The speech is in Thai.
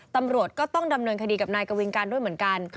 ตำรวจก็ต้องดำเนินคดีกับนายกวินการด้วยเหมือนกัน